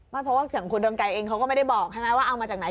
เพราะว่าอย่างคุณเรืองไกรเองเขาก็ไม่ได้บอกใช่ไหมว่าเอามาจากไหน